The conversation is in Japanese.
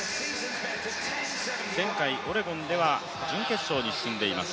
前回、オレゴンでは準決勝に進んでいます。